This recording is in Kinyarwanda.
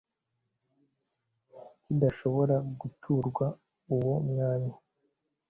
kidashobora guturwa uwo mwami